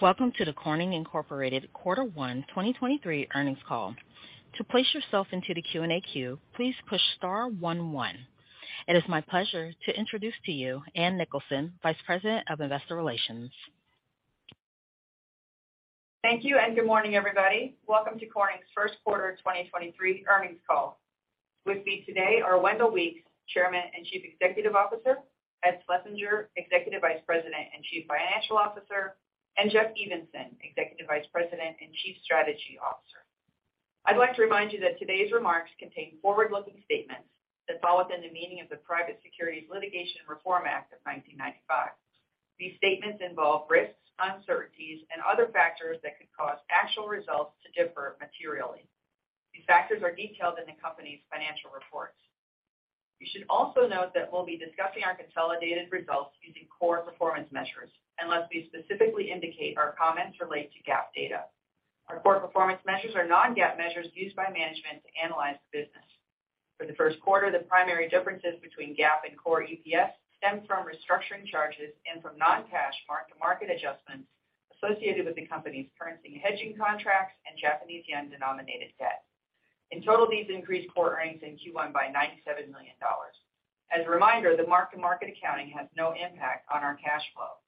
Welcome to the Corning Incorporated Quarter One 2023 earnings call. To place yourself into the Q&A queue, please push star one one. It is my pleasure to introduce to you Ann Nicholson, Vice President of Investor Relations. Thank you, and good morning, everybody. Welcome to Corning's first quarter 2023 earnings call. With me today are Wendell Weeks, Chairman and Chief Executive Officer, Ed Schlesinger, Executive Vice President and Chief Financial Officer, and Jeff Evenson, Executive Vice President and Chief Strategy Officer. I'd like to remind you that today's remarks contain forward-looking statements that fall within the meaning of the Private Securities Litigation Reform Act of 1995. These statements involve risks, uncertainties, and other factors that could cause actual results to differ materially. These factors are detailed in the company's financial reports. You should also note that we'll be discussing our consolidated results using core performance measures, unless we specifically indicate our comments relate to GAAP data. Our core performance measures are Non-GAAP measures used by management to analyze the business. For the first quarter, the primary differences between GAAP and core EPS stem from restructuring charges and from non-cash mark-to-market adjustments associated with the company's currency hedging contracts and Japanese yen-denominated debt. In total, these increased core earnings in Q1 by $97 million. As a reminder, the mark-to-market accounting has no impact on our cash flow.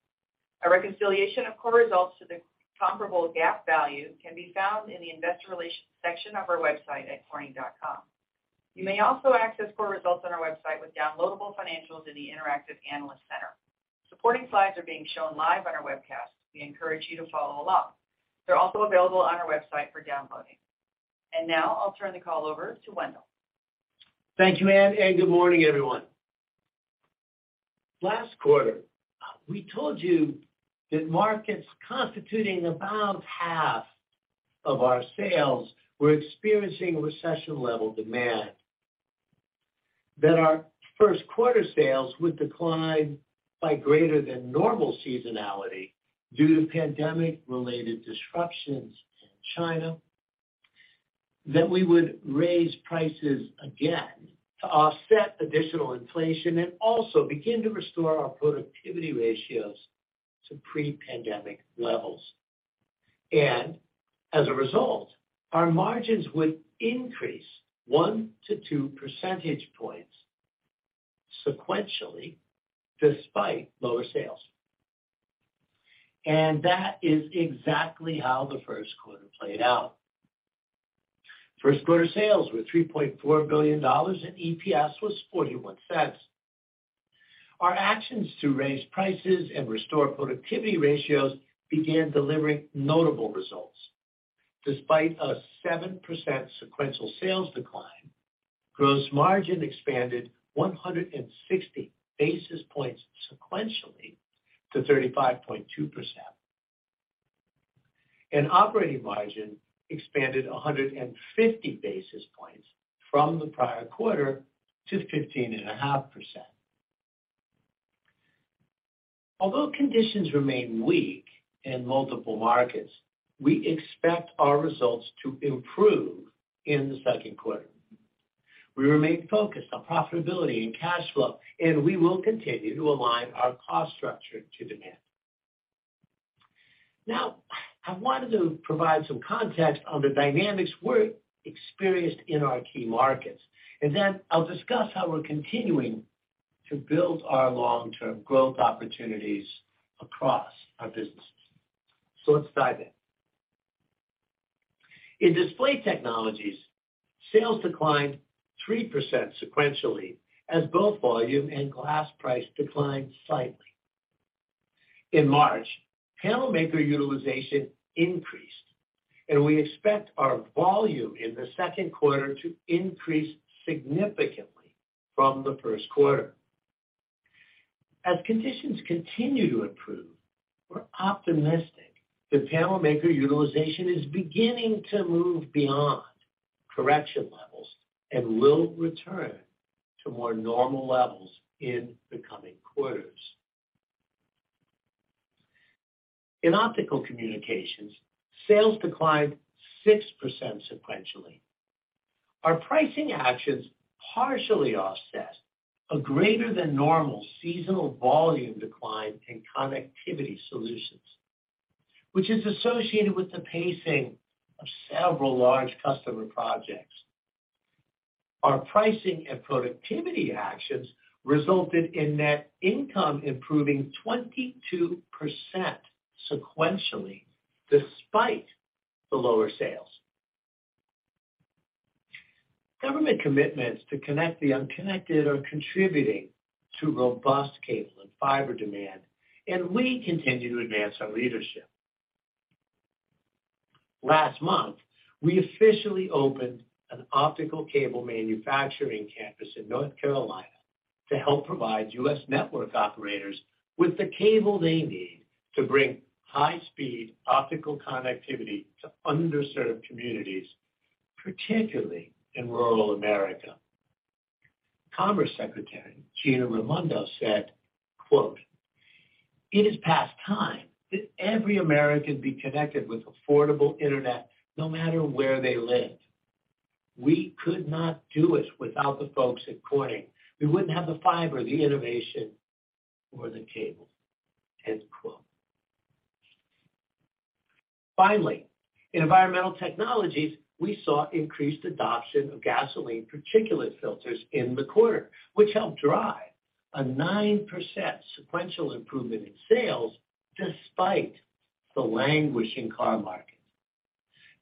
A reconciliation of core results to the comparable GAAP value can be found in the investor relations section of our website at corning.com. You may also access core results on our website with downloadable financials in the Interactive Analyst Center. Supporting slides are being shown live on our webcast. We encourage you to follow along. They're also available on our website for downloading. Now I'll turn the call over to Wendell. Thank you, Ann. Good morning, everyone. Last quarter, we told you that markets constituting about half of our sales were experiencing recession-level demand, that our first quarter sales would decline by greater than normal seasonality due to pandemic-related disruptions in China, that we would raise prices again to offset additional inflation and also begin to restore our productivity ratios to pre-pandemic levels. As a result, our margins would increase 1 percentage point-2 percentage points sequentially despite lower sales. That is exactly how the first quarter played out. First quarter sales were $3.4 billion and EPS was $0.41. Our actions to raise prices and restore productivity ratios began delivering notable results. Despite a 7% sequential sales decline, gross margin expanded 160 basis points sequentially to 35.2%. Operating margin expanded 150 basis points from the prior quarter to 15.5%. Although conditions remain weak in multiple markets, we expect our results to improve in the second quarter. We remain focused on profitability and cash flow, and we will continue to align our cost structure to demand. I wanted to provide some context on the dynamics we're experienced in our key markets, and then I'll discuss how we're continuing to build our long-term growth opportunities across our businesses. Let's dive in. In display technologies, sales declined 3% sequentially as both volume and glass price declined slightly. In March, panel maker utilization increased, and we expect our volume in the second quarter to increase significantly from the first quarter. As conditions continue to improve, we're optimistic that panel maker utilization is beginning to move beyond correction levels and will return to more normal levels in the coming quarters. In optical communications, sales declined 6% sequentially. Our pricing actions partially offset a greater than normal seasonal volume decline in connectivity solutions, which is associated with the pacing of several large customer projects. Our pricing and productivity actions resulted in net income improving 22% sequentially despite the lower sales. Government commitments to connect the unconnected are contributing to robust cable and fiber demand, and we continue to advance our leadership. Last month, we officially opened an optical cable manufacturing campus in North Carolina to help provide U.S. network operators with the cable they need to bring high-speed optical connectivity to underserved communities, particularly in rural America. Commerce Secretary Gina Raimondo said, quote, "It is past time that every American be connected with affordable internet no matter where they live."We could not do it without the folks at Corning. We wouldn't have the fiber, the innovation or the cable." End quote. Finally, in environmental technologies, we saw increased adoption of gasoline particulate filters in the quarter, which helped drive a 9% sequential improvement in sales despite the languishing car market.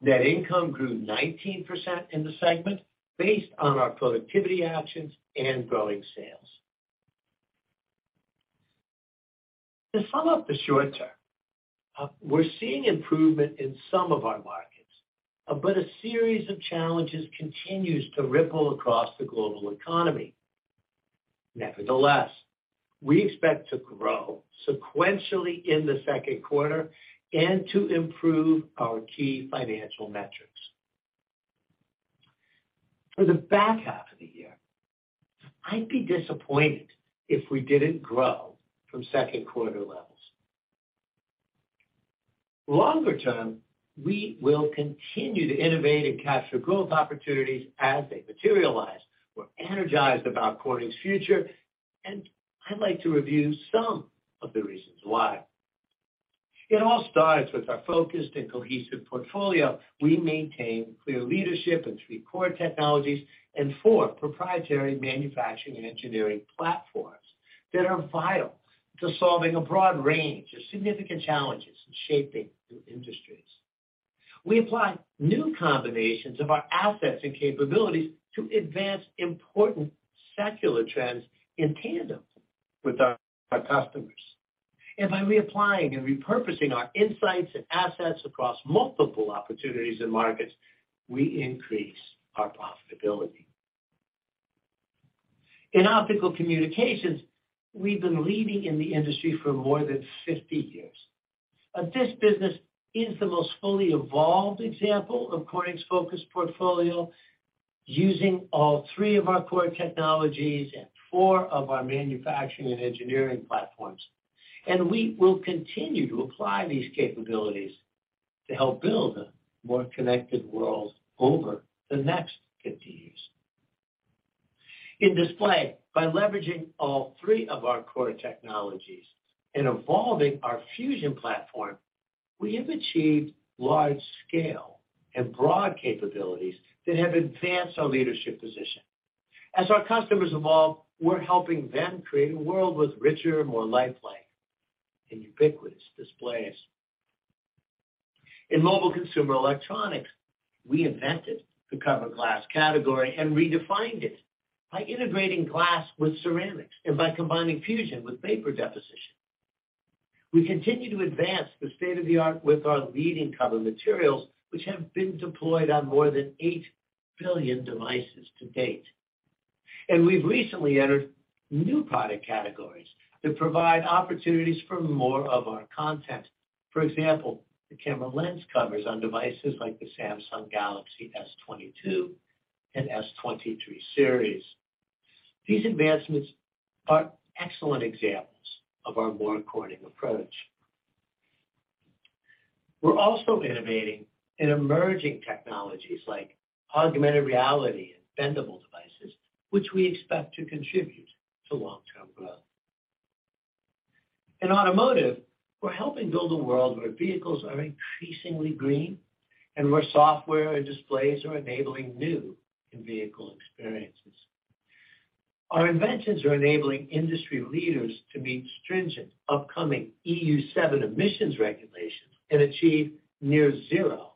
Net income grew 19% in the segment based on our productivity actions and growing sales. To sum up the short term, we're seeing improvement in some of our markets, but a series of challenges continues to ripple across the global economy. Nevertheless, we expect to grow sequentially in the second quarter and to improve our key financial metrics. For the back half of the year, I'd be disappointed if we didn't grow from second quarter levels. Longer term, we will continue to innovate and capture growth opportunities as they materialize. We're energized about Corning's future, and I'd like to review some of the reasons why. It all starts with our focused and cohesive portfolio. We maintain clear leadership in three core technologies and four proprietary manufacturing and engineering platforms that are vital to solving a broad range of significant challenges and shaping new industries. We apply new combinations of our assets and capabilities to advance important secular trends in tandem with our customers. By reapplying and repurposing our insights and assets across multiple opportunities and markets, we increase our profitability. In optical communications, we've been leading in the industry for more than 50 years. This business is the most fully evolved example of Corning's focused portfolio, using all three of our core technologies and four of our manufacturing and engineering platforms. We will continue to apply these capabilities to help build a more connected world over the next 50 years. In display, by leveraging all three of our core technologies and evolving our fusion platform, we have achieved large scale and broad capabilities that have advanced our leadership position. As our customers evolve, we're helping them create a world with richer, more lifelike and ubiquitous displays. In mobile consumer electronics, we invented the cover glass category and redefined it by integrating glass with ceramics and by combining fusion with vapor deposition. We continue to advance the state-of-the-art with our leading cover materials, which have been deployed on more than 8 billion devices to date. We've recently entered new product categories that provide opportunities for more of our content. For example, the camera lens covers on devices like the Samsung Galaxy S22 and S23 series. These advancements are excellent examples of our More Corning approach. We're also innovating in emerging technologies like augmented reality and bendable devices, which we expect to contribute to long-term growth. In automotive, we're helping build a world where vehicles are increasingly green and where software and displays are enabling new in-vehicle experiences. Our inventions are enabling industry leaders to meet stringent upcoming EU7 emissions regulations and achieve near zero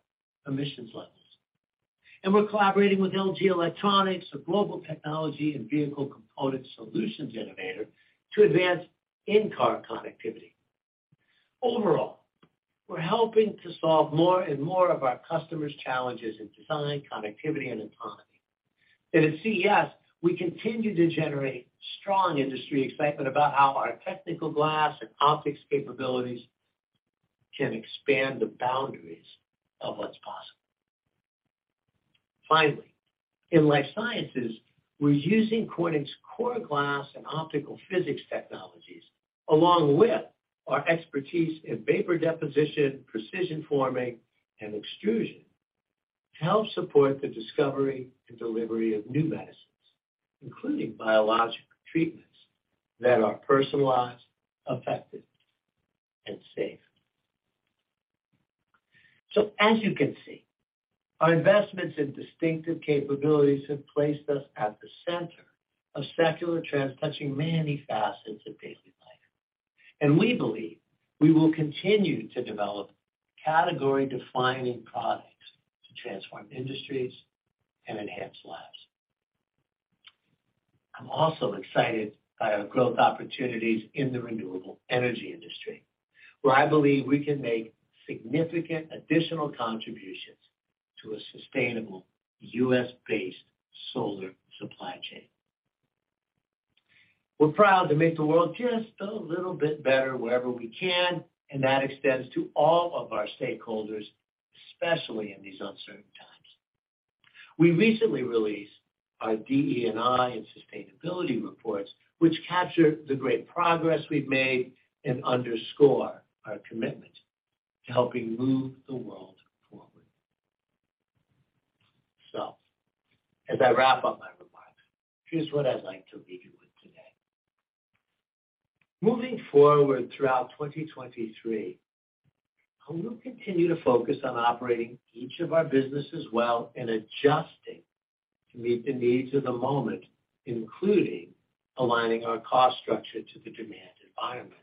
emissions levels. We're collaborating with LG Electronics, a global technology and vehicle component solutions innovator, to advance in-car connectivity. Overall, we're helping to solve more and more of our customers' challenges in design, connectivity and autonomy. At CES, we continue to generate strong industry excitement about how our technical glass and optics capabilities can expand the boundaries of what's possible. Finally, in life sciences, we're using Corning's core glass and optical physics technologies, along with our expertise in vapor deposition, precision forming and extrusion, to help support the discovery and delivery of new medicines, including biological treatments that are personalized, effective and safe. As you can see, our investments in distinctive capabilities have placed us at the center of secular trends touching many facets of daily life. We believe we will continue to develop category-defining products to transform industries and enhance lives. I'm also excited by our growth opportunities in the renewable energy industry, where I believe we can make significant additional contributions to a sustainable U.S.-based solar supply chain. We're proud to make the world just a little bit better wherever we can, that extends to all of our stakeholders, especially in these uncertain times. We recently released our DE&I and sustainability reports, which capture the great progress we've made and underscore our commitment to helping move the world forward. As I wrap up my remarks, here's what I'd like to leave you with today. Moving forward throughout 2023, we will continue to focus on operating each of our businesses well and adjusting to meet the needs of the moment, including aligning our cost structure to the demand environment.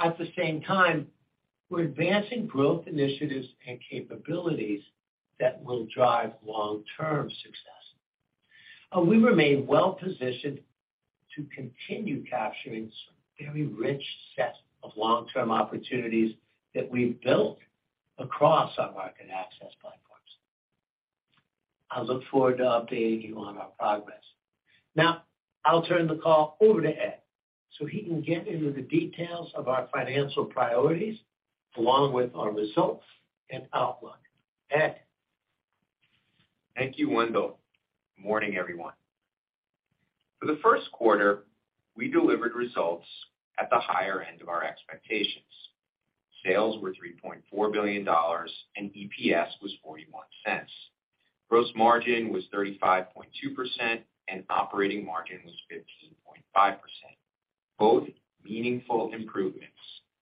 At the same time, we're advancing growth initiatives and capabilities that will drive long-term success. We remain well-positioned to continue capturing some very rich sets of long-term opportunities that we've built across our market access platforms. I look forward to updating you on our progress. I'll turn the call over to Ed, so he can get into the details of our financial priorities, along with our results and outlook. Ed? Thank you, Wendell. Morning, everyone. For the first quarter, we delivered results at the higher end of our expectations. Sales were $3.4 billion, and EPS was $0.41. Gross margin was 35.2%, and operating margin was 15.5%, both meaningful improvements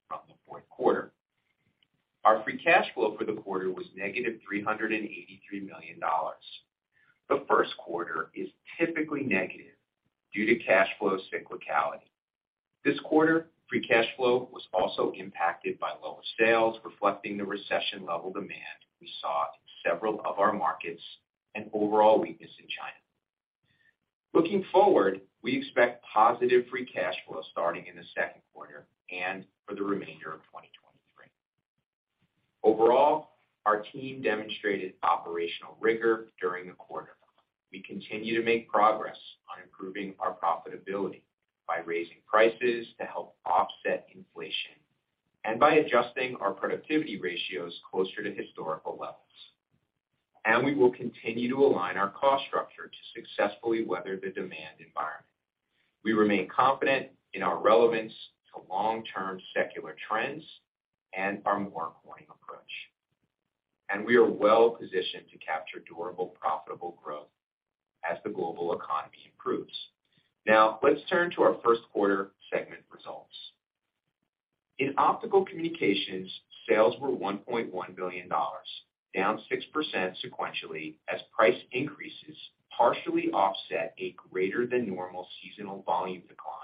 from the fourth quarter. Our free cash flow for the quarter was negative $383 million. The first quarter is typically negative due to cash flow cyclicality. This quarter, free cash flow was also impacted by lower sales, reflecting the recession level demand we saw in several of our markets and overall weakness in China. Looking forward, we expect positive free cash flow starting in the second quarter and for the remainder of 2023. Overall, our team demonstrated operational rigor during the quarter. We continue to make progress on improving our profitability by raising prices to help offset inflation and by adjusting our productivity ratios closer to historical levels. We will continue to align our cost structure to successfully weather the demand environment. We remain confident in our relevance to long-term secular trends and our More Corning approach. We are well-positioned to capture durable, profitable growth as the global economy improves. Let's turn to our first quarter segment results. In optical communications, sales were $1.1 billion, down 6% sequentially, as price increases partially offset a greater than normal seasonal volume decline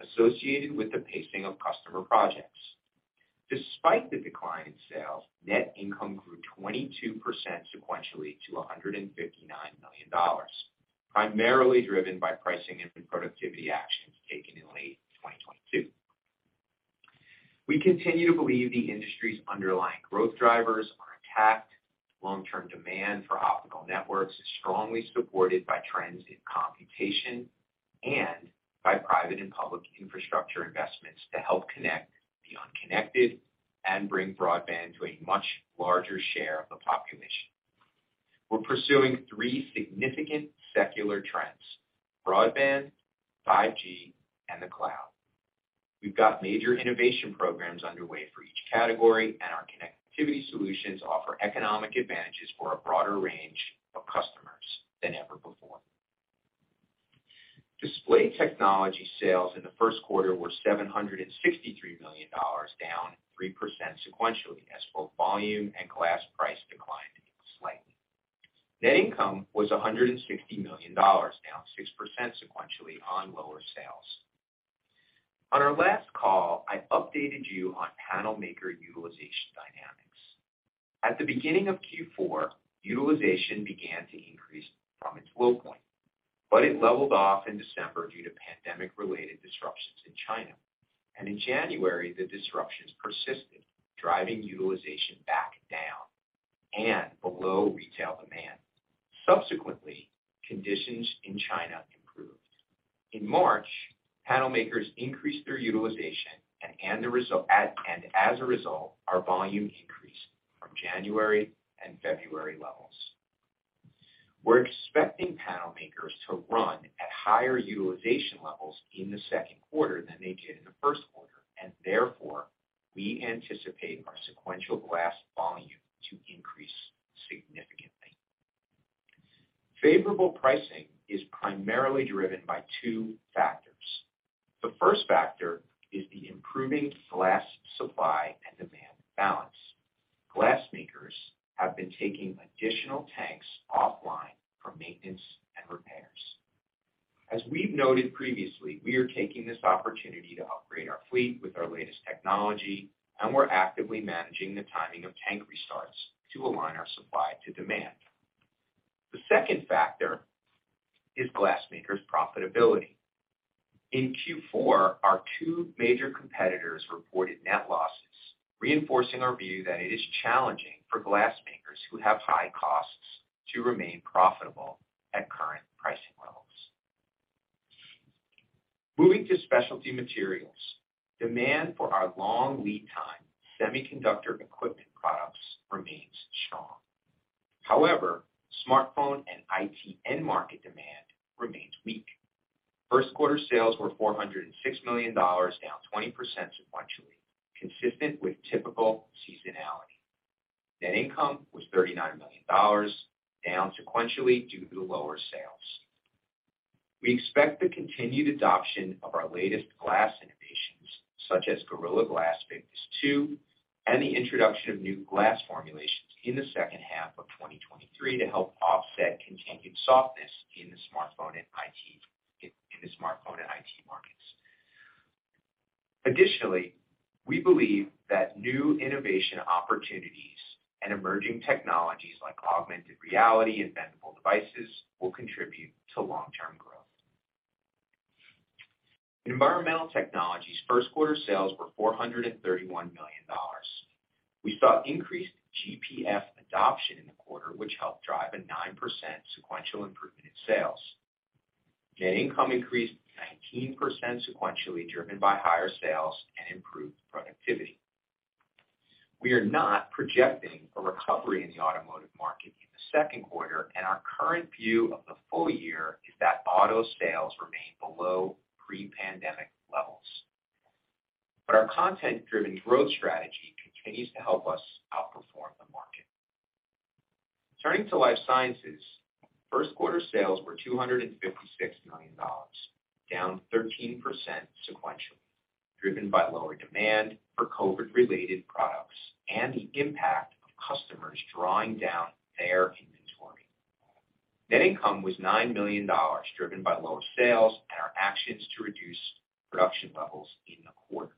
associated with the pacing of customer projects. Despite the decline in sales, net income grew 22% sequentially to $159 million, primarily driven by pricing and productivity actions taken in late 2022. We continue to believe the industry's underlying growth drivers are intact. Long-term demand for optical networks is strongly supported by trends in computation and by private and public infrastructure investments to help connect the unconnected and bring broadband to a much larger share of the population. We're pursuing three significant secular trends: broadband, 5G, and the cloud. We've got major innovation programs underway for each category, and our connectivity solutions offer economic advantages for a broader range of customers than ever before. Display technology sales in the first quarter were $763 million, down 3% sequentially as both volume and glass price declined slightly. Net income was $160 million, down 6% sequentially on lower sales. On our last call, I updated you on panel maker utilization dynamics. At the beginning of Q4, utilization began to increase from its low point, but it leveled off in December due to pandemic-related disruptions in China. In January, the disruptions persisted, driving utilization back down and below retail demand. Subsequently, conditions in China improved. In March, panel makers increased their utilization and as a result, our volume increased from January and February levels. We're expecting panel makers to run at higher utilization levels in the second quarter than they did in the first quarter, and therefore, we anticipate our sequential glass volume to increase significantly. Favorable pricing is primarily driven by two factors. The first factor is the improving glass supply and demand balance. Glass makers have been taking additional tanks offline for maintenance and repairs. As we've noted previously, we are taking this opportunity to upgrade our fleet with our latest technology, and we're actively managing the timing of tank restarts to align our supply to demand. The second factor is glass makers' profitability. In Q4, our two major competitors reported net losses, reinforcing our view that it is challenging for glass makers who have high costs to remain profitable at current pricing levels. Moving to specialty materials, demand for our long lead time semiconductor. However, smartphone and IT end market demand remains weak. First quarter sales were $406 million, down 20% sequentially, consistent with typical seasonality. Net income was $39 million, down sequentially due to lower sales. We expect the continued adoption of our latest glass innovations, such as Gorilla Glass Victus 2, and the introduction of new glass formulations in the second half of 2023 to help offset continued softness in the smartphone and IT markets. We believe that new innovation opportunities and emerging technologies like augmented reality and bendable devices will contribute to long-term growth. Environmental technologies first quarter sales were $431 million. We saw increased GPF adoption in the quarter, which helped drive a 9% sequential improvement in sales. Net income increased 19% sequentially, driven by higher sales and improved productivity. We are not projecting a recovery in the automotive market in the second quarter, and our current view of the full year is that auto sales remain below pre-pandemic levels. Our content-driven growth strategy continues to help us outperform the market. Turning to life sciences, first quarter sales were $256 million, down 13% sequentially, driven by lower demand for COVID-related products and the impact of customers drawing down their inventory. Net income was $9 million, driven by lower sales and our actions to reduce production levels in the quarter.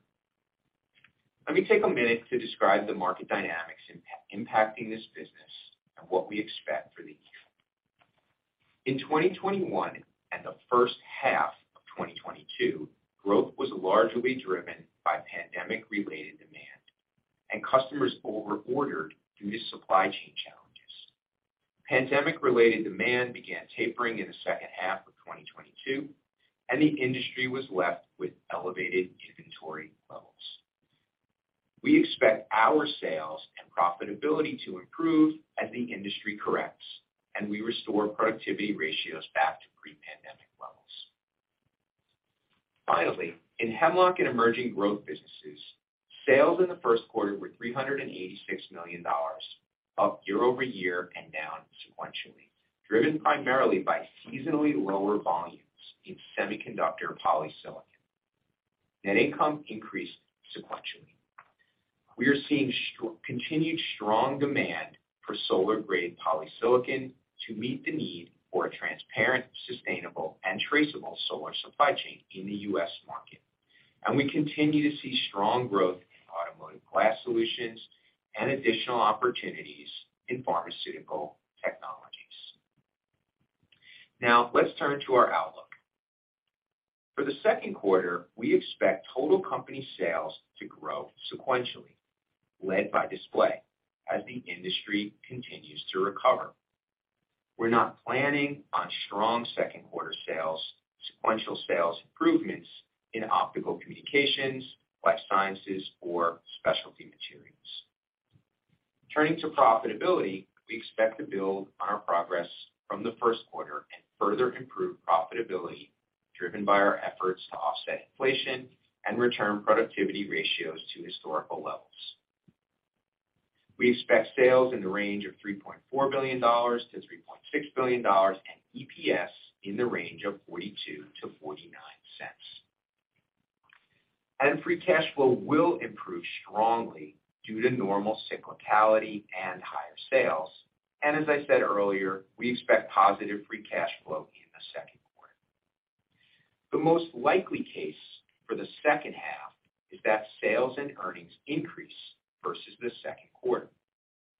Let me take a minute to describe the market dynamics impacting this business and what we expect for the year. In 2021 and the first half of 2022, growth was largely driven by pandemic-related demand, customers over-ordered due to supply chain challenges. Pandemic-related demand began tapering in the second half of 2022, the industry was left with elevated inventory levels. We expect our sales and profitability to improve as the industry corrects, we restore productivity ratios back to pre-pandemic levels. Finally, in Hemlock and emerging growth businesses, sales in the first quarter were $386 million, up year-over-year and down sequentially, driven primarily by seasonally lower volumes in semiconductor polysilicon. Net income increased sequentially. We are seeing continued strong demand for solar-grade polysilicon to meet the need for a transparent, sustainable, and traceable solar supply chain in the U.S. market, and we continue to see strong growth in automotive glass solutions and additional opportunities in pharmaceutical technologies. Now, let's turn to our outlook. For the second quarter, we expect total company sales to grow sequentially, led by display as the industry continues to recover. We're not planning on strong second quarter sales, sequential sales improvements in optical communications, life sciences or specialty materials. Turning to profitability, we expect to build on our progress from the first quarter and further improve profitability driven by our efforts to offset inflation and return productivity ratios to historical levels. We expect sales in the range of $3.4 billion-$3.6 billion, EPS in the range of $0.42-$0.49. Free cash flow will improve strongly due to normal cyclicality and higher sales. As I said earlier, we expect positive free cash flow in the second quarter. The most likely case for the second half is that sales and earnings increase versus the second quarter,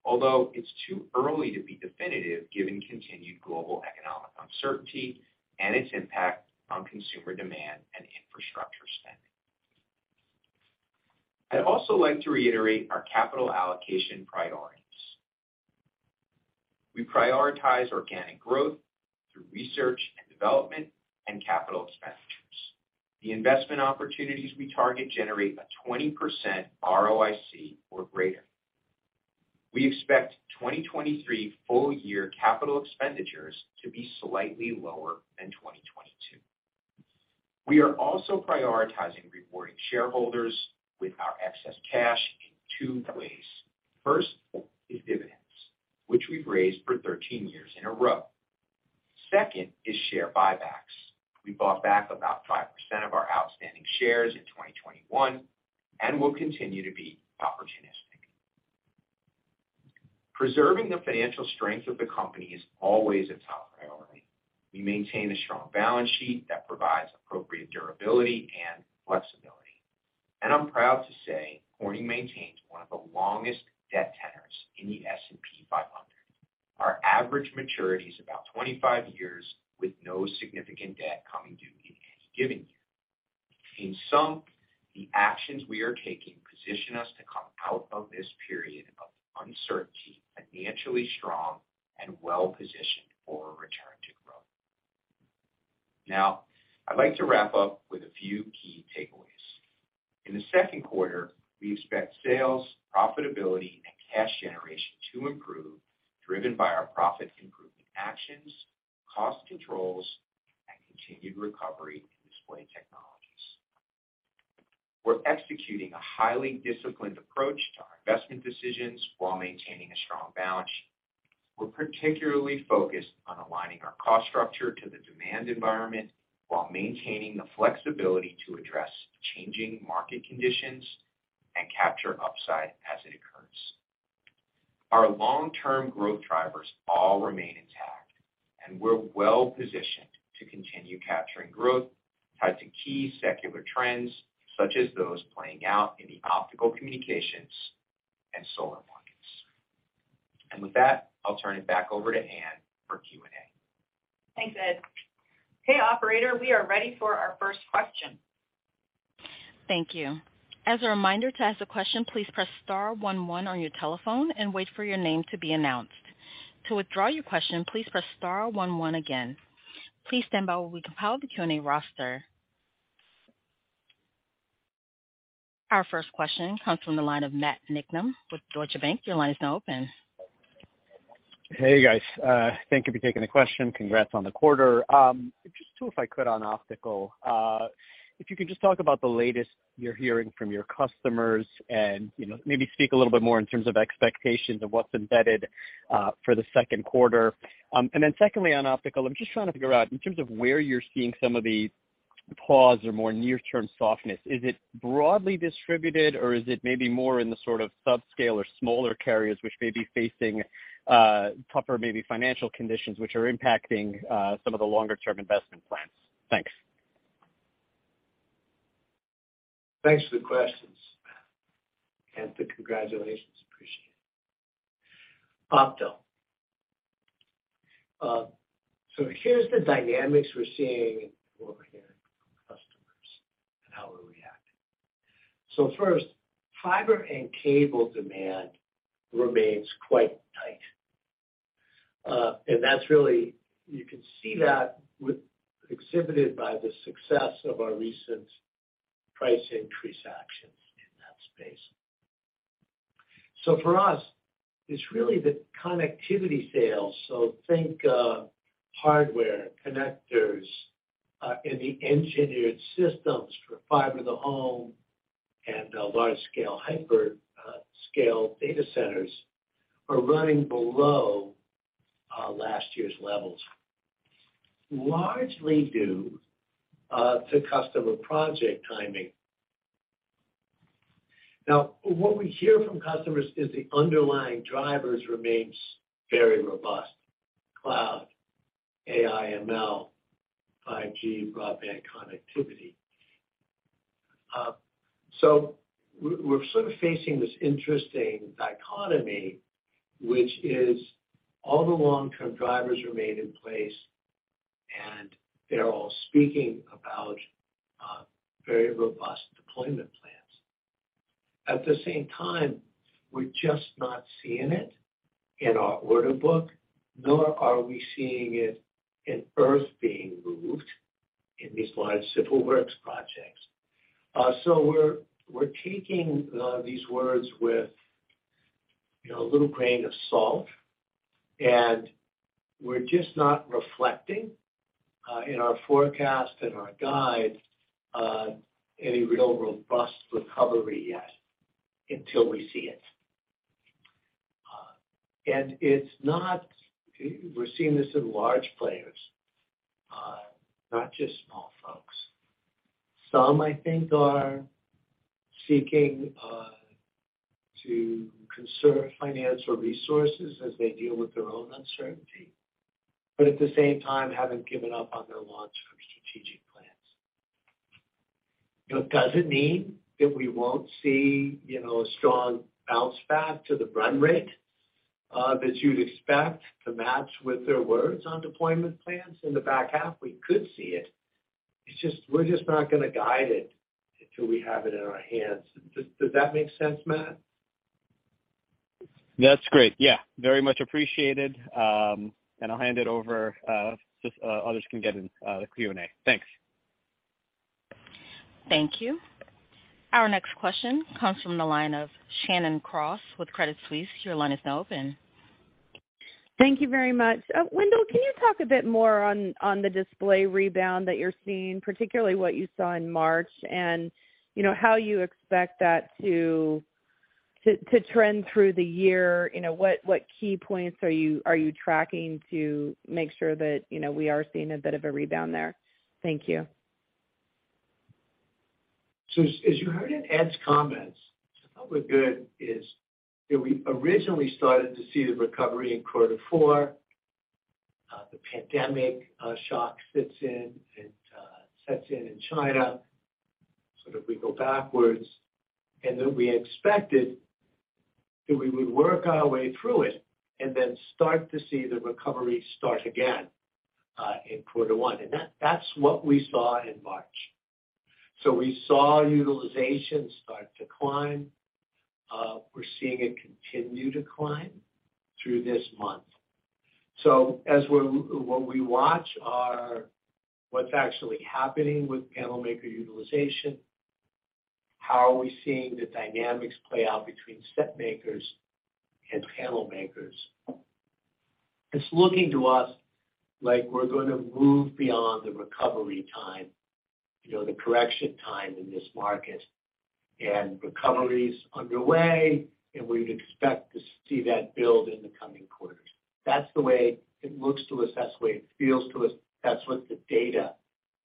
although it's too early to be definitive given continued global economic uncertainty and its impact on consumer demand and infrastructure spending. I'd also like to reiterate our capital allocation priorities. We prioritize organic growth through research and development and capital expenditures. The investment opportunities we target generate a 20% ROIC or greater. We expect 2023 full year CapEx to be slightly lower than 2022. We are also prioritizing rewarding shareholders with our excess cash in two ways. First is dividends, which we've raised for 13 years in a row. Second is share buybacks. We bought back about 5% of our outstanding shares in 2021 and will continue to be opportunistic. Preserving the financial strength of the company is always a top priority. We maintain a strong balance sheet that provides appropriate durability and flexibility. I'm proud to say Corning maintains one of the longest debt tenors in the S&P 500. Our average maturity is about 25 years, with no significant debt coming due in any given year. In sum, the actions we are taking position us to come out of this period of uncertainty financially strong and well-positioned for a return to growth. Now, I'd like to wrap up with a few key takeaways. In the second quarter, we expect sales, profitability, and cash generation to improve, driven by our profit improvement actions, cost controls, and continued recovery in display technologies. We're executing a highly disciplined approach to our investment decisions while maintaining a strong balance sheet. We're particularly focused on aligning our cost structure to the demand environment while maintaining the flexibility to address changing market conditions and capture upside as it occurs. Our long-term growth drivers all remain intact, and we're well-positioned to continue capturing growth tied to key secular trends such as those playing out in the optical communications and solar markets. With that, I'll turn it back over to Ann for Q&A. Thanks, Ed. Okay, operator, we are ready for our first question. Thank you. As a reminder, to ask a question, please press star one one on your telephone and wait for your name to be announced. To withdraw your question, please press star one one again. Please stand by while we compile the Q&A roster. Our first question comes from the line of Matthew Niknam with Deutsche Bank. Your line is now open. Hey, guys. Thank you for taking the question. Congrats on the quarter. Just two, if I could, on optical. If you could just talk about the latest you're hearing from your customers and, you know, maybe speak a little bit more in terms of expectations of what's embedded for the second quarter. Secondly, on optical, I'm just trying to figure out in terms of where you're seeing some of the pause or more near-term softness, is it broadly distributed, or is it maybe more in the sort of subscale or smaller carriers which may be facing tougher, maybe financial conditions which are impacting some of the longer-term investment plans? Thanks. Thanks for the questions, Matt, and the congratulations. Appreciate it. Opto. Here's the dynamics we're seeing and what we're hearing from customers and how we're reacting. First, fiber and cable demand remains quite tight. You can see that with exhibited by the success of our recent price increase actions in that space. For us, it's really the connectivity sales. Think of hardware, connectors, and the engineered systems for fiber to the home and large-scale hyper scale data centers are running below last year's levels, largely due to customer project timing. What we hear from customers is the underlying drivers remains very robust. Cloud, AI, ML, 5G, broadband connectivity. We're sort of facing this interesting dichotomy, which is all the long-term drivers remain in place, they're all speaking about very robust deployment plans. We're just not seeing it in our order book, nor are we seeing it in earth being moved in these large civil works projects. We're taking these words with, you know, a little grain of salt, and we're just not reflecting in our forecast and our guide any real robust recovery yet until we see it. We're seeing this in large players, not just small folks. Some, I think, are seeking to conserve financial resources as they deal with their own uncertainty. At the same time, haven't given up on their long-term strategic plans. It doesn't mean that we won't see, you know, a strong bounce back to the run rate that you'd expect to match with their words on deployment plans. In the back half, we could see it. We're just not gonna guide it until we have it in our hands. Does that make sense, Matt? That's great. Yeah, very much appreciated. I'll hand it over, others can get in the Q&A. Thanks. Thank you. Our next question comes from the line of Shannon Cross with Credit Suisse. Your line is now open. Thank you very much. Wendell, can you talk a bit more on the display rebound that you're seeing, particularly what you saw in March, and you know, how you expect that to trend through the year? You know, what key points are you tracking to make sure that, you know, we are seeing a bit of a rebound there? Thank you. As you heard in Ed's comments, I thought we're good is that we originally started to see the recovery in quarter four. The pandemic shock fits in and sets in in China, sort of we go backwards. Then we expected that we would work our way through it and then start to see the recovery start again in quarter one. That's what we saw in March. We saw utilization start to climb. We're seeing it continue to climb through this month. As what we watch are what's actually happening with panel maker utilization. How are we seeing the dynamics play out between set makers and panel makers? It's looking to us like we're gonna move beyond the recovery time, you know, the correction time in this market, and recovery is underway, and we'd expect to see that build in the coming quarters. That's the way it looks to us. That's the way it feels to us. That's what the data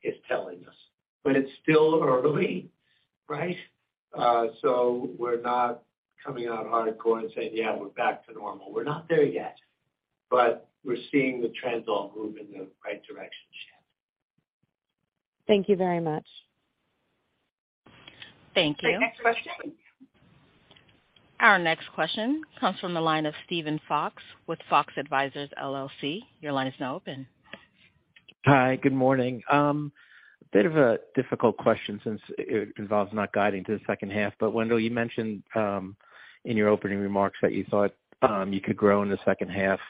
is telling us. It's still early, right? We're not coming out hardcore and saying, "Yeah, we're back to normal." We're not there yet, but we're seeing the trends all move in the right direction, Shannon. Thank you very much. Thank you. Great. Next question. Our next question comes from the line of Steven Fox with Fox Advisors LLC. Your line is now open. Hi. Good morning. A bit of a difficult question since it involves not guiding to the second half. Wendell, you mentioned in your opening remarks that you thought you could grow in the second half.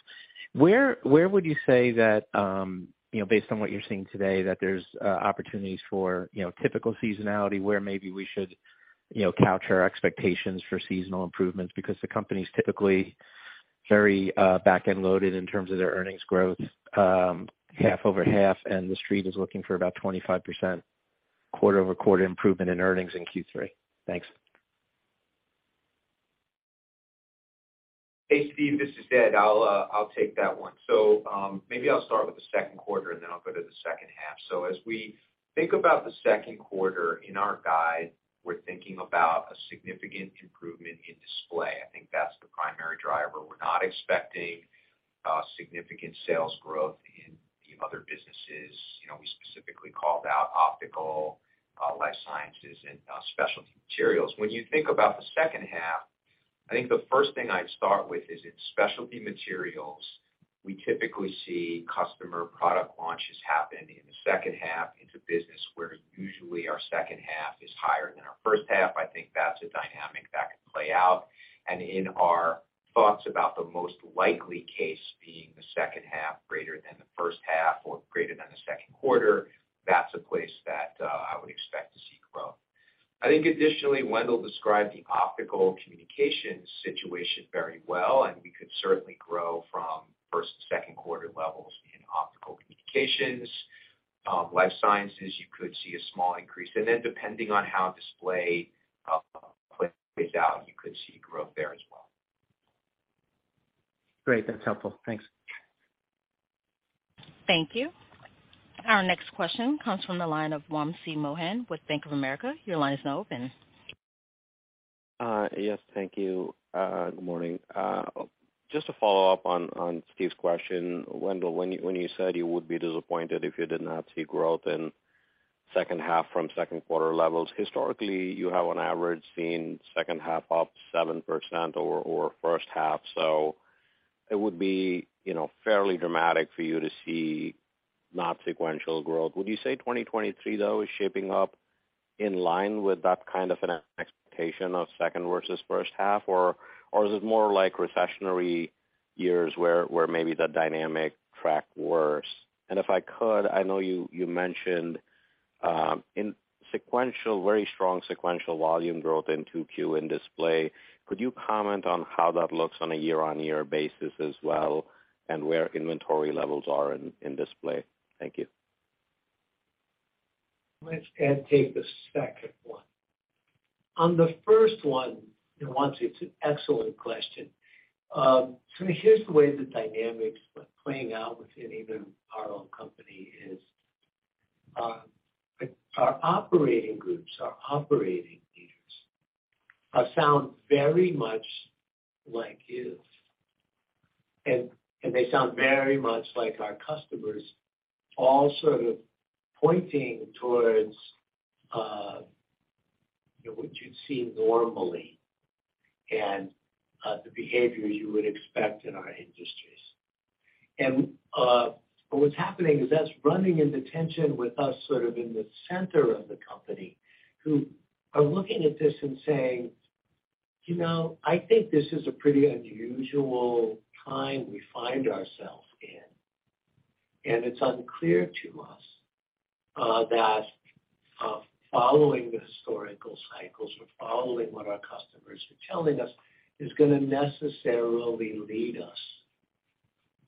Where would you say that, you know, based on what you're seeing today, that there's opportunities for, you know, typical seasonality, where maybe we should, you know, couch our expectations for seasonal improvements? The company's typically very back-end loaded in terms of their earnings growth, half over half. The Street is looking for about 25% quarter-over-quarter improvement in earnings in Q3. Thanks. Hey, Steven Fox, this is Ed Schlesinger. I'll take that one. Maybe I'll start with the second quarter, and then I'll go to the second half. As we think about the second quarter in our guide, we're thinking about a significant improvement in display. I think that's the primary driver. We're not expecting significant sales growth in the other businesses. You know, we specifically called out optical, life sciences and specialty materials. When you think about the second half, I think the first thing I'd start with is in specialty materials, we typically see customer product launches happen in the second half. It's a business where usually our second half is higher than our first half. I think that's a dynamic that could play out. In our thoughts about the most likely case being the second half greater than the first half or greater than the second quarter, that's a place that I would expect to see growth. I think additionally, Wendell described the optical communications situation very well, and we could certainly grow from first to second quarter levels in optical communications. Life sciences, you could see a small increase. Depending on how display plays out, you could see growth there as well. Great. That's helpful. Thanks. Thank you. Our next question comes from the line of Wamsi Mohan with Bank of America. Your line is now open. Yes. Thank you. Good morning. Just to follow up on Steven's question, Wendell, when you said you would be disappointed if you did not see growth in second half from second quarter levels. Historically, you have on average seen second half up 7% over first half. It would be, you know, fairly dramatic for you to see not sequential growth. Would you say 2023 though is shaping up in line with that kind of an expectation of second versus first half? Is it more like recessionary years where maybe the dynamic tracked worse? If I could, I know you mentioned in very strong sequential volume growth in 2Q in display. Could you comment on how that looks on a year-on-year basis as well and where inventory levels are in display? Thank you. Let's, Ed, take the second one. On the first one, Wamsi, it's an excellent question. Here's the way the dynamics are playing out within even our own company is, our operating groups, our operating leaders, sound very much like you. They sound very much like our customers all sort of pointing towards, you know, what you'd see normally and, the behavior you would expect in our industries. But what's happening is that's running into tension with us sort of in the center of the company who are looking at this and saying, "You know, I think this is a pretty unusual time we find ourselves in, and it's unclear to us, that, following the historical cycles or following what our customers are telling us is gonna necessarily lead us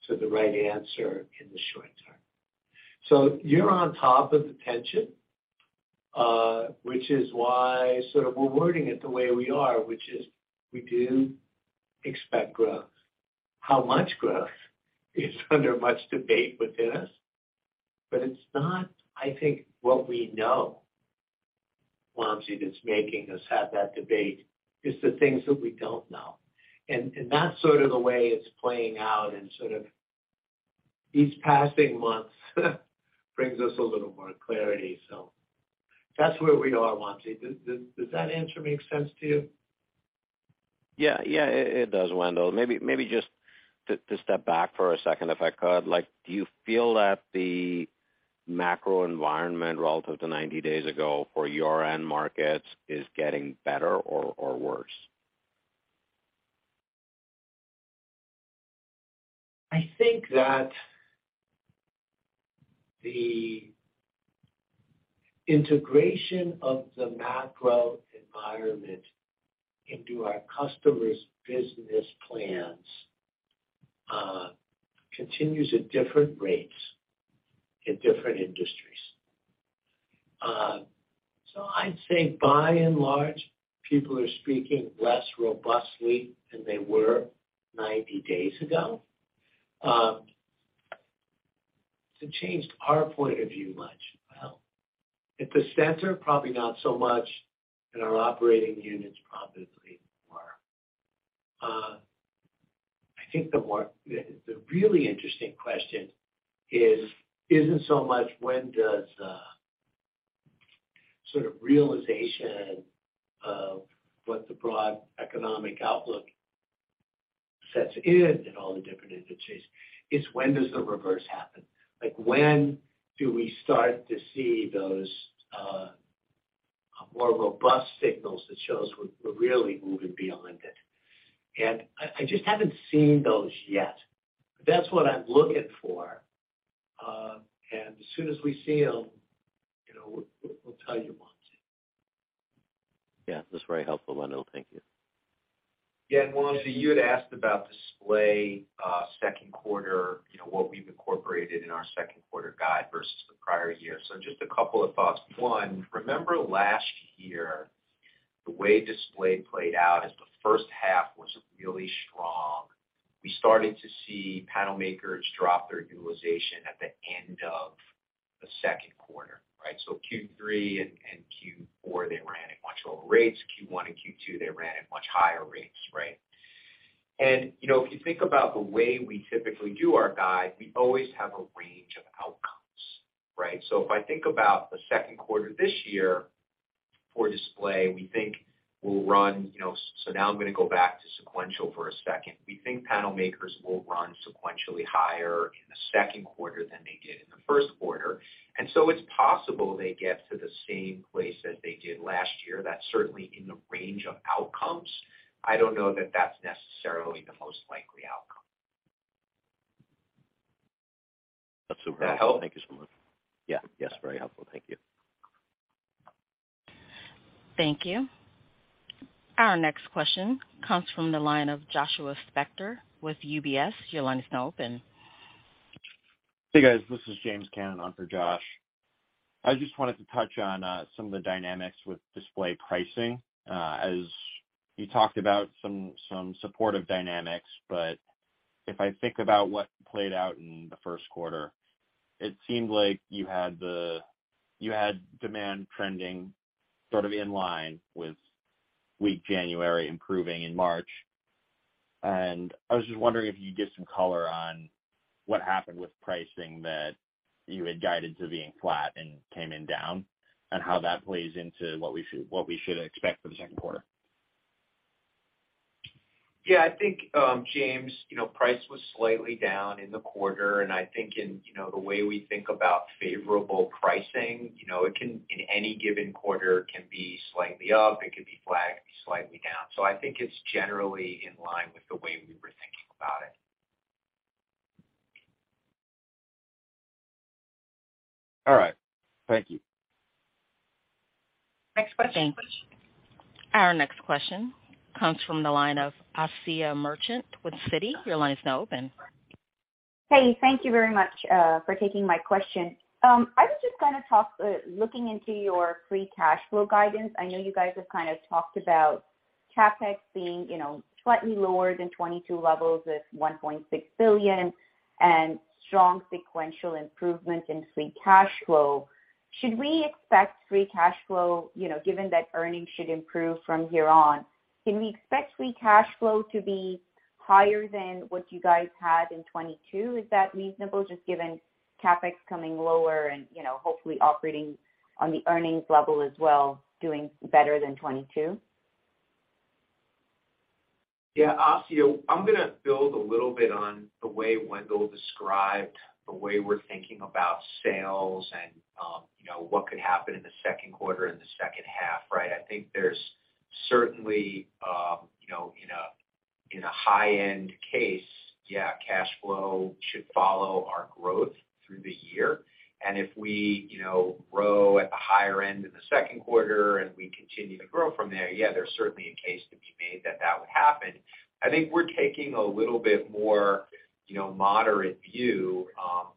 to the right answer in the short term." You're on top of the tension, which is why sort of we're wording it the way we are, which is we do expect growth. How much growth is under much debate within us, but it's not, I think, what we know, Wamsi, that's making us have that debate. It's the things that we don't know. That's sort of the way it's playing out, and sort of each passing month brings us a little more clarity. That's where we are, Vamsee. Does that answer make sense to you? Yeah. Yeah, it does, Wendell. Maybe just to step back for a second, if I could. Like, do you feel that the macro environment relative to 90 days ago for your end markets is getting better or worse? I think that the integration of the macro environment into our customers' business plans continues at different rates in different industries. I'd say by and large, people are speaking less robustly than they were 90 days ago. It's changed our point of view much. Well, at the center, probably not so much. In our operating units, probably more. I think the really interesting question isn't so much when does the sort of realization of what the broad economic outlook sets in in all the different industries, it's when does the reverse happen? Like, when do we start to see those more robust signals that shows we're really moving beyond it? I just haven't seen those yet, but that's what I'm looking for. As soon as we see them, you know, we'll tell you, Wamsi. Yeah. That's very helpful, Wendell. Thank you. Yeah. Wamsi, you had asked about display, second quarter, you know, what we've incorporated in our second quarter guide versus the prior year. Just a couple of thoughts. One, remember last year, the way display played out is the first half was really strong. We started to see panel makers drop their utilization at the end of the second quarter, right? Q3 and Q4, they ran at much lower rates. Q1 and Q2, they ran at much higher rates, right? You know, if you think about the way we typically do our guide, we always have a range of outcomes, right? If I think about the second quarter this year for display, we think we'll run, you know. Now I'm gonna go back to sequential for a second. We think panel makers will run sequentially higher in the second quarter than they did in the first quarter. It's possible they get to the same place as they did last year. That's certainly in the range of outcomes. I don't know that that's necessarily the most likely outcome. That's super helpful. Does that help? Thank you so much. Yeah. Yes, very helpful. Thank you. Thank you. Our next question comes from the line of Joshua Spector with UBS. Your line is now open. Hey, guys. This is James Cannon on for Josh. I just wanted to touch on some of the dynamics with display pricing as you talked about some supportive dynamics. If I think about what played out in the first quarter, it seemed like you had demand trending sort of in line with weak January improving in March. I was just wondering if you give some color on what happened with pricing that you had guided to being flat and came in down, and how that plays into what we should expect for the second quarter. Yeah. I think, James, you know, price was slightly down in the quarter. I think in, you know, the way we think about favorable pricing, you know, it can, in any given quarter can be slightly up, it can be flat, it can be slightly down. I think it's generally in line with the way we were thinking about it. All right. Thank you. Next question. Thanks. Our next question comes from the line of Asiya Merchant with Citi. Your line is now open. Hey, thank you very much for taking my question. I was just looking into your free cash flow guidance. I know you guys have kind of talked about CapEx being, you know, slightly lower than 2022 levels with $1.6 billion and strong sequential improvement in free cash flow. Should we expect free cash flow, you know, given that earnings should improve from here on, can we expect free cash flow to be higher than what you guys had in 2022? Is that reasonable just given CapEx coming lower and, you know, hopefully operating on the earnings level as well, doing better than 2022? Yeah. Asiya, I'm gonna build a little bit on the way Wendell described the way we're thinking about sales and, you know, what could happen in the second quarter and the second half, right? I think there's certainly, you know, in a, in a high-end case, yeah, cash flow should follow our growth through the year. If we, you know, grow at the higher end in the second quarter and we continue to grow from there, yeah, there's certainly a case to be made that that would happen. I think we're taking a little bit more, you know, moderate view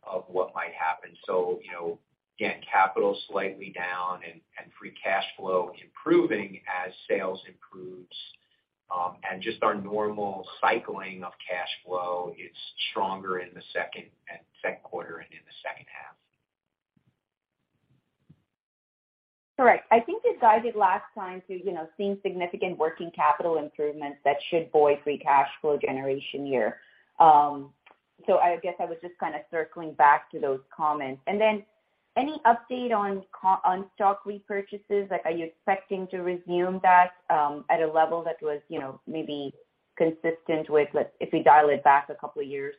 of what might happen. You know, again, capital slightly down and free cash flow improving as sales improves, and just our normal cycling of cash flow is stronger in the second quarter and in the second half. All right. I think you guided last time to, you know, seeing significant working capital improvements that should buoy free cash flow generation year. I guess I was just kind of circling back to those comments. Then any update on stock repurchases? Like, are you expecting to resume that, at a level that was, you know, maybe consistent with, like, if we dial it back a couple of years?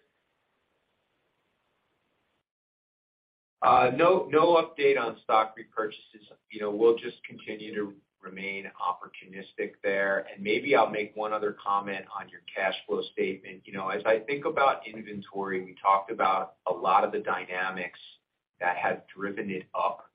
No, no update on stock repurchases. You know, we'll just continue to remain opportunistic there. Maybe I'll make one other comment on your cash flow statement. You know, as I think about inventory, we talked about a lot of the dynamics that have driven it up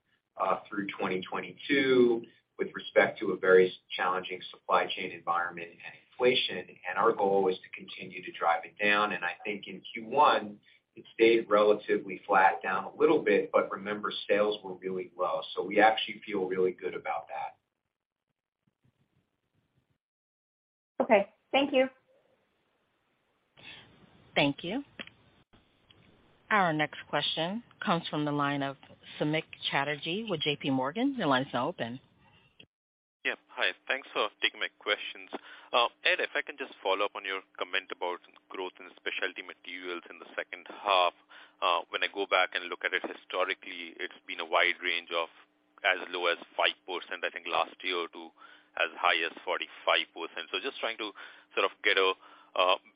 through 2022 with respect to a very challenging supply chain environment and inflation. Our goal is to continue to drive it down. I think in Q1, it stayed relatively flat, down a little bit. Remember, sales were really low, so we actually feel really good about that. Okay. Thank you. Thank you. Our next question comes from the line of Samik Chatterjee with JPMorgan. Your line is now open. Hi. Thanks for taking my questions. Ed, if I can just follow up on your comment about growth in Specialty Materials in the second half. When I go back and look at it historically, it's been a wide range of as low as 5%, I think, last year to as high as 45%. Just trying to sort of get a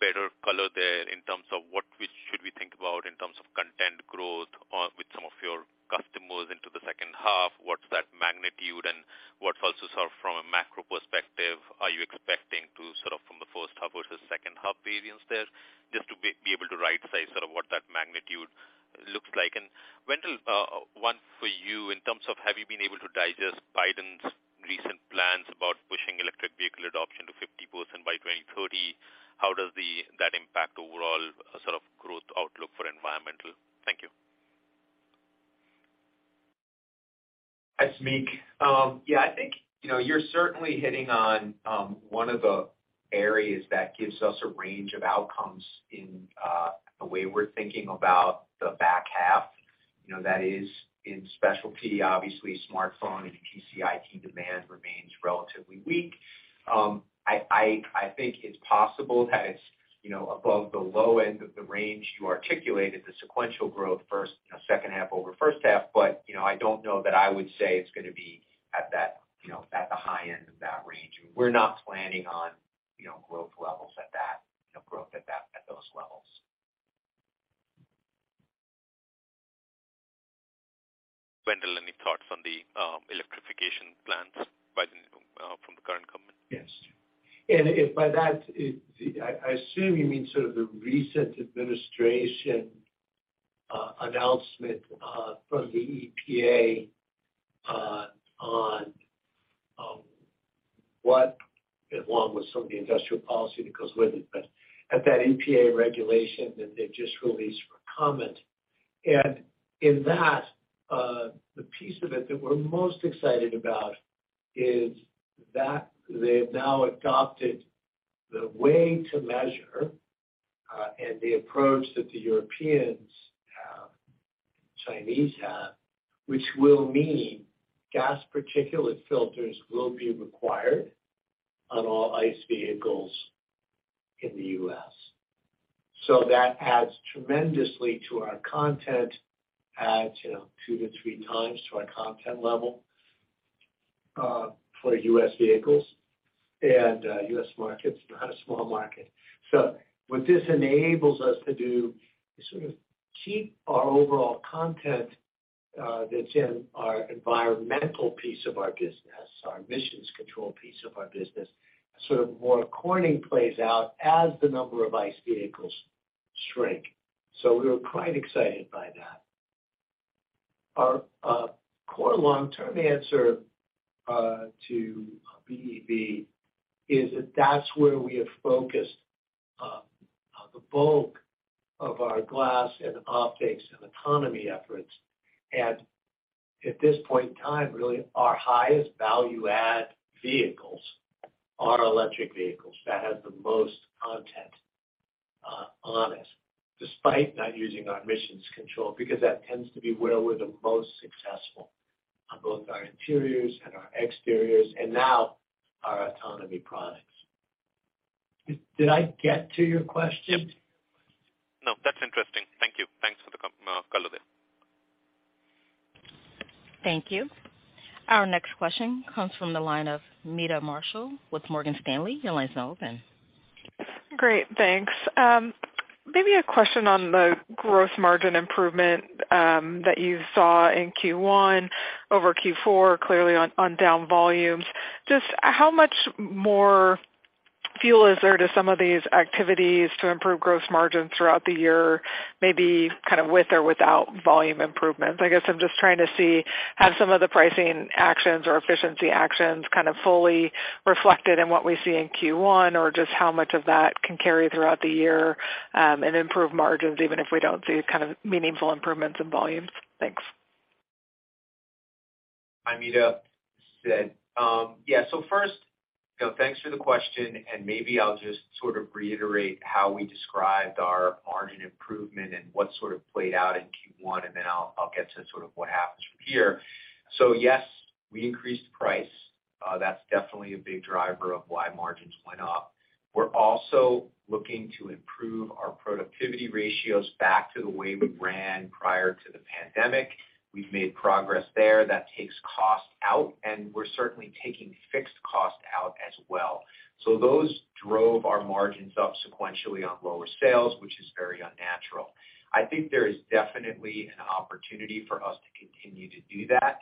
better color there in terms of what we should we think about in terms of content growth or with some of your customers into the second half. What's that magnitude and what pulses are from a macro perspective, are you expecting to sort of from the first half versus second half variance there, just to be able to right size sort of what that magnitude looks like? Wendell, one for you in terms of have you been able to digest Biden's recent plans about pushing electric vehicle adoption to 50% by 2030? How does that impact overall sort of growth outlook for environmental? Thank you. Hi, Samik. Yeah, I think, you know, you're certainly hitting on one of the areas that gives us a range of outcomes in the way we're thinking about the back half, you know, that is in specialty. Obviously, smartphone and PCIT demand remains relatively weak. I think it's possible that it's, you know, above the low end of the range you articulated, the sequential growth first, you know, second half over first half. I don't know that I would say it's gonna be at that, you know, at the high end of that range. We're not planning on, you know, growth levels at that, you know, growth at those levels. Wendell, any thoughts on the electrification plans by the from the current company? Yes. If by that I assume you mean sort of the recent administration announcement from the EPA on what along with some of the industrial policy that goes with it, but at that EPA regulation that they just released for comment. In that, the piece of it that we're most excited about is that they have now adopted the way to measure and the approach that the Europeans have, Chinese have, which will mean gas particulate filters will be required on all ICE vehicles in the U.S. That adds tremendously to our content, adds, you know, 2x-3x to our content level for U.S. vehicles and U.S. markets, not a small market. What this enables us to do is sort of keep our overall content, that's in our environmental piece of our business, our emissions control piece of our business, sort of More Corning plays out as the number of ICE vehicles shrink. We were quite excited by that. Our core long-term answer to BEV is that that's where we have focused the bulk of our glass and optics and autonomy efforts. At this point in time, really our highest value add vehicles are electric vehicles that have the most content on it, despite not using our emissions control, because that tends to be where we're the most successful on both our interiors and our exteriors and now our autonomy products. Did I get to your question? Yep. No, that's interesting. Thank you. Thanks for the color there. Thank you. Our next question comes from the line of Meta Marshall with Morgan Stanley. Your line is now open. Great, thanks. Maybe a question on the gross margin improvement, that you saw in Q1 over Q4, clearly on down volumes. Just how much more fuel is there to some of these activities to improve gross margins throughout the year, maybe kind of with or without volume improvements? I guess I'm just trying to see, have some of the pricing actions or efficiency actions kind of fully reflected in what we see in Q1, or just how much of that can carry throughout the year, and improve margins, even if we don't see kind of meaningful improvements in volumes? Thanks. Hi, Meta. Yeah. First, you know, thanks for the question, and maybe I'll just sort of reiterate how we described our margin improvement and what sort of played out in Q1, and then I'll get to sort of what happens from here. Yes, we increased the price. That's definitely a big driver of why margins went up. We're also looking to improve our productivity ratios back to the way we ran prior to the pandemic. We've made progress there that takes cost out, and we're certainly taking fixed cost out as well. Those drove our margins up sequentially on lower sales, which is very unnatural. I think there is definitely an opportunity for us to continue to do that.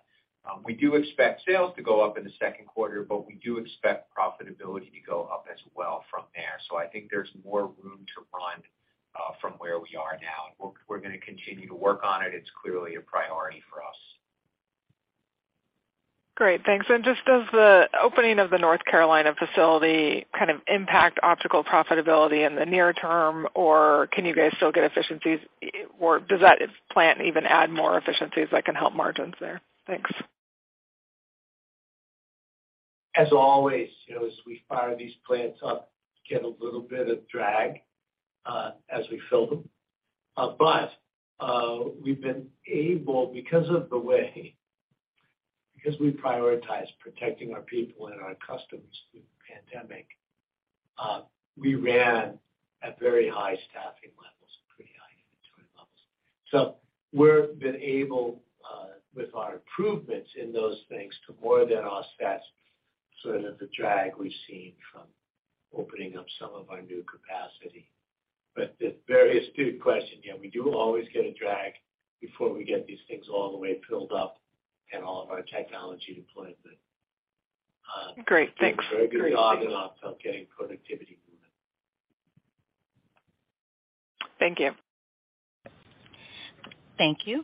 We do expect sales to go up in the second quarter, but we do expect profitability to go up as well from there. I think there's more room to run from where we are now, and we're gonna continue to work on it. It's clearly a priority for us. Great. Thanks. Just does the opening of the North Carolina facility kind of impact optical profitability in the near term, or can you guys still get efficiencies? Or does that plant even add more efficiencies that can help margins there? Thanks. As always, you know, as we fire these plants up, get a little bit of drag, as we fill them. We've been able because of the way, because we prioritize protecting our people and our customers through the pandemic, we ran at very high staffing levels, pretty high inventory levels. We're been able with our improvements in those things to more than offset sort of the drag we've seen from opening up some of our new capacity. It's a very astute question. Yeah, we do always get a drag before we get these things all the way filled up and all of our technology deployment. Great. Thanks. Very good. Great. Thanks. getting productivity movement. Thank you. Thank you.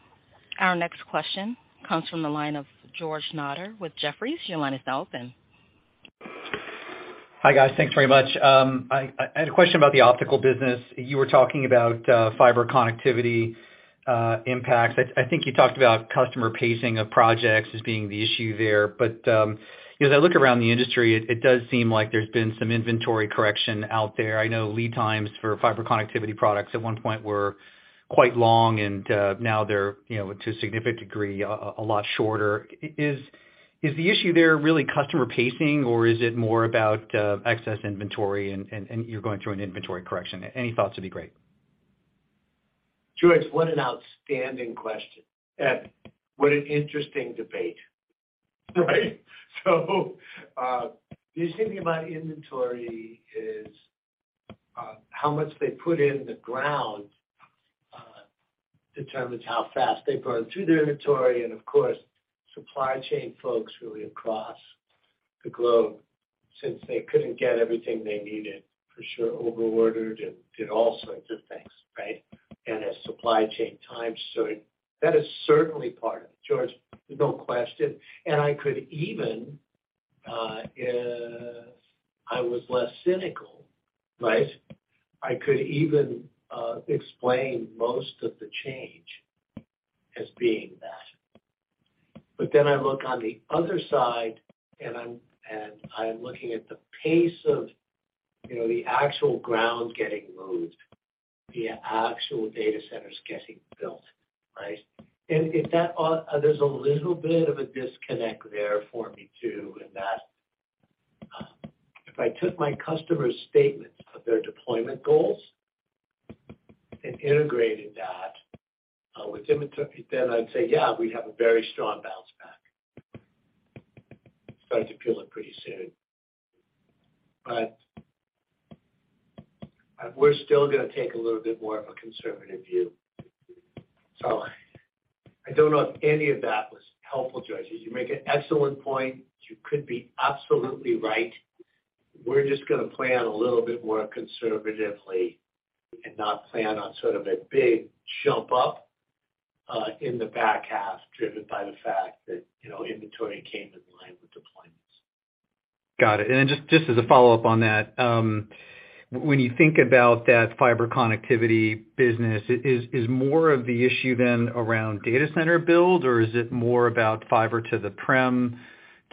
Our next question comes from the line of George Notter with Jefferies. Your line is now open. Hi, guys. Thanks very much. I had a question about the optical business. You were talking about, fiber connectivity, impacts. I think you talked about customer pacing of projects as being the issue there. You know, as I look around the industry, it does seem like there's been some inventory correction out there. I know lead times for fiber connectivity products at one point were quite long, and, now they're, you know, to a significant degree, a lot shorter. Is the issue there really customer pacing, or is it more about, excess inventory and you're going through an inventory correction? Any thoughts would be great. George, what an outstanding question. Ed, what an interesting debate, right? The interesting about inventory is how much they put in the ground determines how fast they burn through their inventory, and of course, supply chain folks really across the globe, since they couldn't get everything they needed, for sure over-ordered and did all sorts of things, right? As supply chain times sort, that is certainly part of it, George, no question. I could even, if I was less cynical, right? I could even explain most of the change as being that. I look on the other side, and I'm looking at the pace of, you know, the actual ground getting moved, the actual data centers getting built, right? There's a little bit of a disconnect there for me, too, in that, if I took my customer's statements of their deployment goals and integrated that with inventory, then I'd say, yeah, we have a very strong bounce back. Start to feel it pretty soon. We're still gonna take a little bit more of a conservative view. I don't know if any of that was helpful, George. You make an excellent point. You could be absolutely right. We're just gonna plan a little bit more conservatively and not plan on sort of a big jump up in the back half, driven by the fact that, you know, inventory came in line with deployments. Got it. Just as a follow-up on that, when you think about that fiber connectivity business, is more of the issue then around data center build, or is it more about fiber to the prem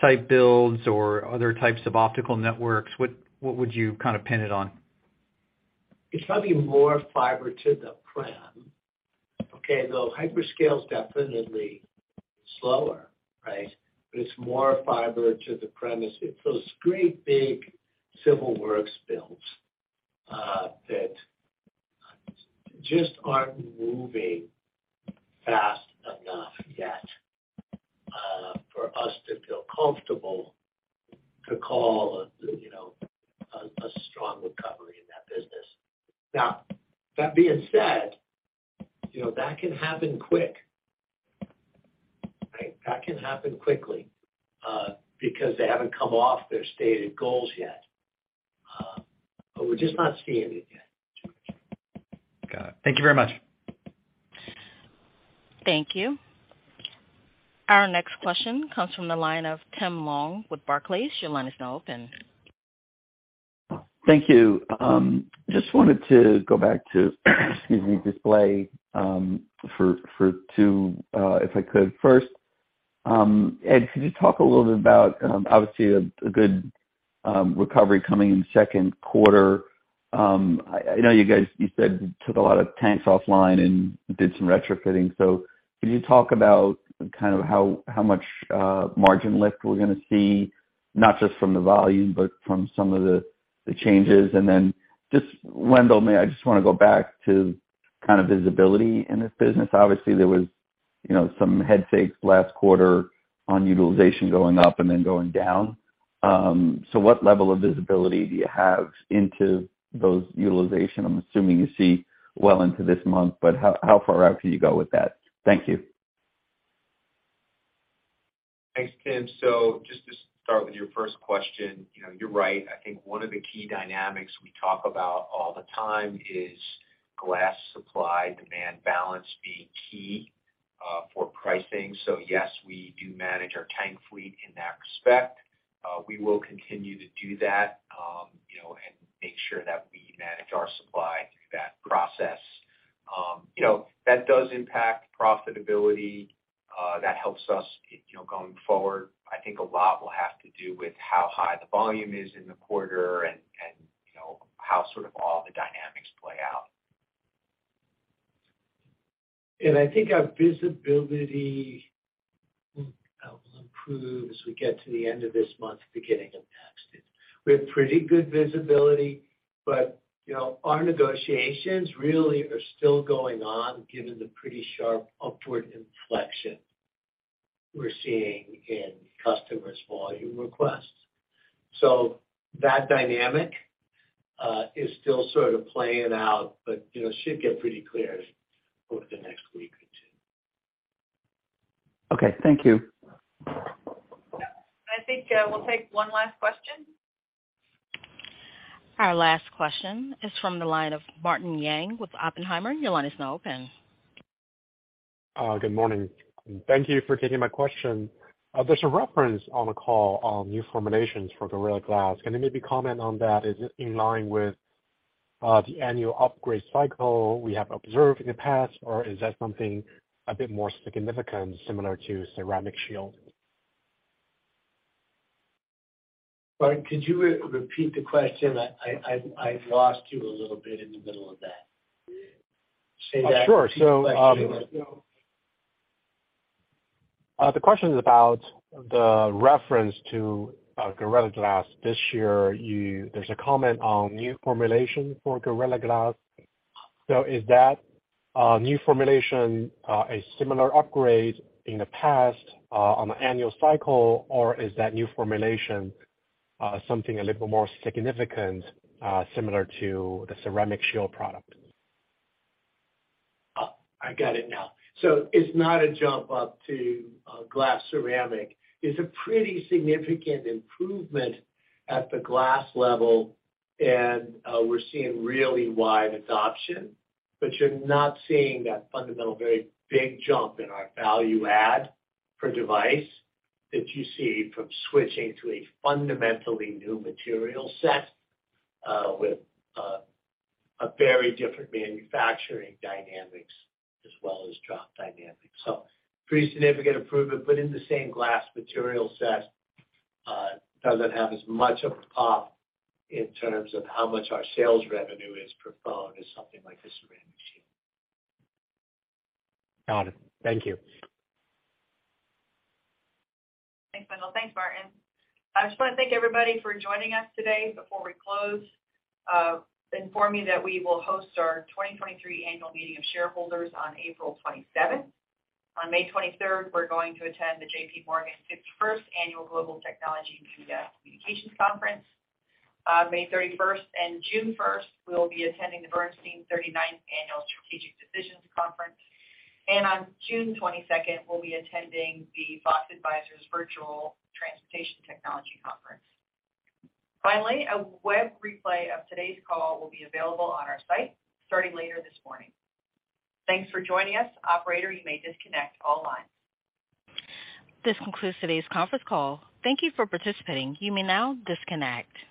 type builds or other types of optical networks? What would you kind of pin it on? It's probably more fiber to the prem. Okay. The hyperscale is definitely slower, right? It's more fiber to the premise. It's those great big civil works builds that just aren't moving fast enough yet for us to feel comfortable to call, you know, a strong recovery in that business. Now, that being said, you know, that can happen quick, right? That can happen quickly because they haven't come off their stated goals yet. We're just not seeing it yet, George. Got it. Thank you very much. Thank you. Our next question comes from the line of Timothy Long with Barclays. Your line is now open. Thank you. just wanted to go back to, excuse me, display, for two, if I could. First, Ed, could you talk a little bit about, obviously a good recovery coming in the second quarter. I know you guys, you said took a lot of tanks offline and did some retrofitting. Could you talk about kind of how much margin lift we're gonna see, not just from the volume but from some of the changes? Just Wendell, may I just wanna go back to kind of visibility in this business. Obviously, there was, you know, some head fakes last quarter on utilization going up and then going down. What level of visibility do you have into those utilization? I'm assuming you see well into this month, but how far out can you go with that? Thank you. Thanks, Tim. Just to start with your first question, you know, you're right. I think one of the key dynamics we talk about all the time is glass supply-demand balance being key for pricing. Yes, we do manage our tank fleet in that respect. We will continue to do that, you know, make sure that we manage our supply through that process. You know, that does impact profitability, that helps us, you know, going forward. I think a lot will have to do with how high the volume is in the quarter and, you know, how sort of all the dynamics play out. I think our visibility will will improve as we get to the end of this month, beginning of next. We have pretty good visibility, but, you know, our negotiations really are still going on given the pretty sharp upward inflection we're seeing in customers' volume requests. That dynamic is still sort of playing out, but, you know, it should get pretty clear over the next week or two. Okay, thank you. I think, we'll take one last question. Our last question is from the line of Martin Yang with Oppenheimer. Your line is now open. Good morning. Thank you for taking my question. There's a reference on the call on new formulations for Gorilla Glass. Can you maybe comment on that? Is it in line with the annual upgrade cycle we have observed in the past, or is that something a bit more significant, similar to Ceramic Shield? Martin, could you re-repeat the question? I lost you a little bit in the middle of that. Say that. Oh, sure. Repeat the question. The question is about the reference to Gorilla Glass. This year, There's a comment on new formulation for Gorilla Glass. Is that new formulation a similar upgrade in the past on the annual cycle, or is that new formulation something a little more significant, similar to the Ceramic Shield product? Oh, I got it now. It's not a jump up to glass ceramic. It's a pretty significant improvement at the glass level, and we're seeing really wide adoption. You're not seeing that fundamental, very big jump in our value add per device that you see from switching to a fundamentally new material set, with a very different manufacturing dynamics as well as drop dynamics. Pretty significant improvement, but in the same glass material set, doesn't have as much of a pop in terms of how much our sales revenue is per phone as something like the Ceramic Shield. Got it. Thank you. Thanks, Wendell. Thanks, Martin. I just wanna thank everybody for joining us today. Before we close, inform you that we will host our 2023 annual meeting of shareholders on April 27th. On May 23rd, we're going to attend the JPMorgan 61st annual Global Technology and Communications Conference. May 31st and June 1st, we will be attending the Bernstein 39th Annual Strategic Decisions Conference. On June 22nd, we'll be attending the Fox Advisors Virtual Transportation Technology Conference. Finally, a web replay of today's call will be available on our site starting later this morning. Thanks for joining us. Operator, you may disconnect all lines. This concludes today's conference call. Thank you for participating. You may now disconnect.